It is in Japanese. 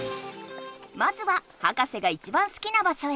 まずはハカセがいちばん好きな場所へ。